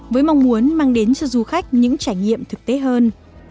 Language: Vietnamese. với mong muốn mang đến cho du khách những trải nghiệm thực tế hơn